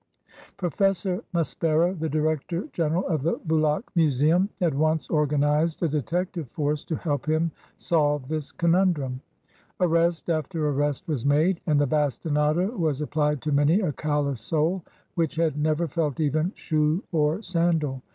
Professor Maspero, the Director General of the Bulaq Museum, at once organized a detective force to help him solve this conundrum. Arrest after arrest was made, and the bastinado was applied to many a callous sole which had never felt even shoe or sandal.